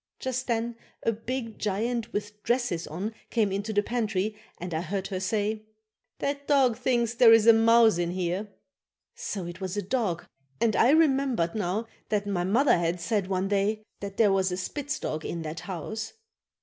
Just then a big giant with dresses on came into the pantry and I heard her say: "That dog thinks there is a mouse in here." So it was a dog and I remembered now that my mother had said one day that there was a spitz dog in that house.